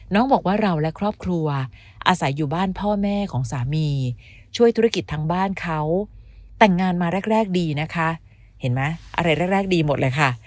น้องบอกว่าเราและครอบครัวอาศัยอยู่บ้านพ่อแม่ของสามีช่วยธุรกิจทางบ้านเขาแต่งงานมาแรกดีนะคะเห็นไหมอะไรแรกดีหมดเลยค่ะ